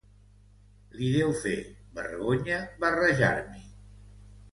Li deu fer vergonya barrejar-m'hi.